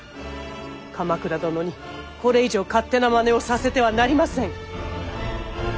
鎌倉殿にこれ以上勝手なまねをさせてはなりません。